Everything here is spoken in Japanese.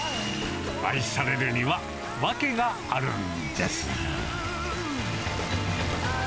愛されるには訳があるんです。